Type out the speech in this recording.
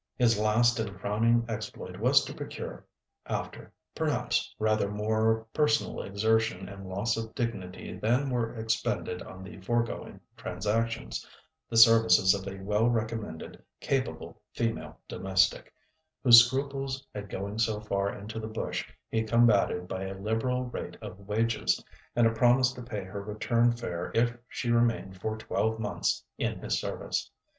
His last and crowning exploit was to procure, after, perhaps, rather more personal exertion and loss of dignity than were expended on the foregoing transactions, the services of a well recommended, capable female domestic, whose scruples at going so far into the bush he combated by a liberal rate of wages, and a promise to pay her return fare if she remained for twelve months in his service.